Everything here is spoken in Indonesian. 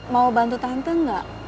mau bantu tante enggak